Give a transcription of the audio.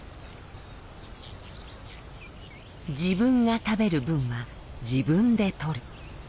自分が食べる分は自分で取る。